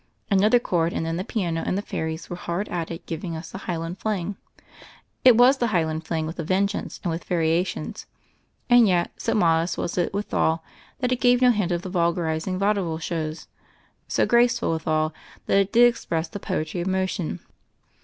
Another chord and then the piano and the fairies were hard at it giving us the Highlard Fling. It was the Highland Fling with a vengeance and with variations. And yet, so modest was it withal, that it gave no hint of the vulgarizing vaudeville shows ; so graceful withal, that it did express the poetry of motion.